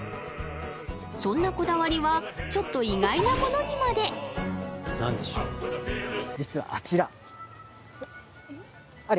そんなこだわりはちょっと意外なものにまで実はあちらえっ？